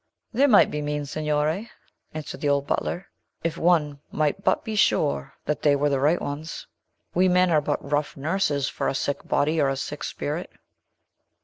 "There might be means, Signore," answered the old butler, "if one might but be sure that they were the right ones. We men are but rough nurses for a sick body or a sick spirit."